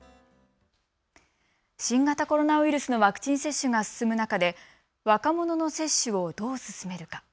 新型コロナウイルスのワクチン接種が進む中で若者の接種をどう進めるか。